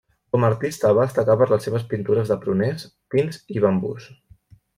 Com a artista va destacar per les seves pintures de pruners, pins i bambús.